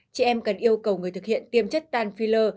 chị em cần yêu cầu người thực hiện tiêm chất tan phil